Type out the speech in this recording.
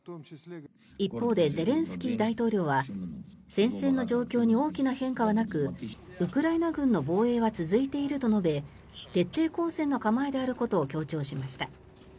一方でゼレンスキー大統領は戦線の状況に大きな変化はなくウクライナ軍の防衛は続いていると述べ徹底抗戦の構えであることを強調しました。